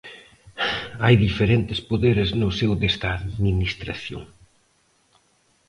Hai diferentes poderes no seo desta Administración.